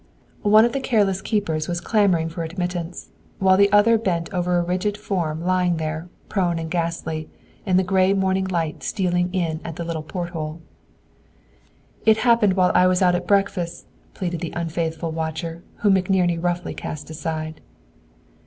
One of the careless keepers was clamoring for admittance, while the other bent over a rigid form lying there, prone and ghastly, in the gray morning light stealing in at the little porthole. "It happened while I was out at breakfast," pleaded the unfaithful watcher, whom McNerney roughly cast aside.